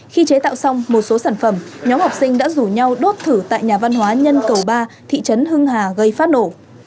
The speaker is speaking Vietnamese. khi chế tạo xong một số sản phẩm nhóm học sinh đã rủ nhau đốt thử tại nhà văn hóa nhân cầu ba thị trấn hưng hà gây phát nổ